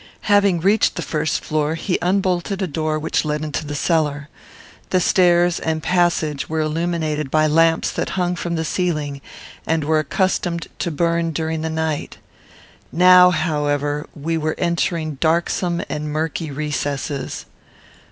Having reached the first floor, he unbolted a door which led into the cellar. The stairs and passage were illuminated by lamps that hung from the ceiling and were accustomed to burn during the night. Now, however, we were entering darksome and murky recesses.